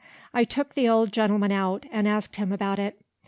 I took the old gentleman out, and asked him about it.